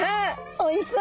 おいしそう！